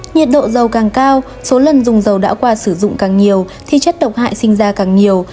nhiệt độ dầu càng cao số lần dùng dầu đã qua sử dụng càng nhiều thì chất độc hại sinh ra càng nhiều